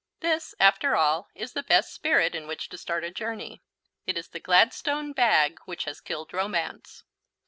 This, after all, is the best spirit in which to start a journey. It is the Gladstone bag which has killed romance.